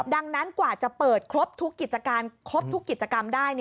ดังนั้นกว่าจะเปิดครบทุกกิจการครบทุกกิจกรรมได้